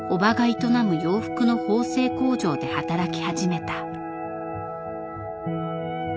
営む洋服の縫製工場で働き始めた。